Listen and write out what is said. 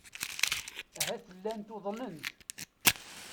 Ahat llant uḍnent.